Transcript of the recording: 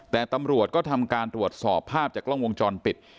แต่ตำรวจก็ทำการตรวจสอบภาพจากกล้องวงจรปิด